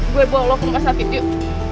gue bawa lu ke masyarakat yuk